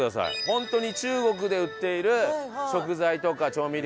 本当に中国で売っている食材とか調味料とか。